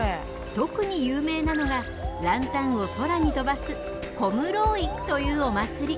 特に有名なのがランタンを空に飛ばすコムローイというお祭り。